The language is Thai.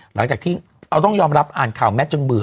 หลังจากที่เราต้องยอมรับอ่านข่าวแมทจนเบื่อ